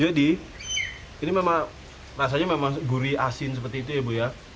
jadi ini memang rasanya memang gurih asin seperti itu ya bu ya